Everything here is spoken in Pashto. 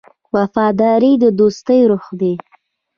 وفاداري د دوستۍ روح دی.